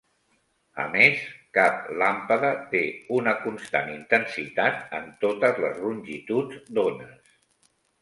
A més, cap làmpada té una constant intensitat en totes les longituds d'ones.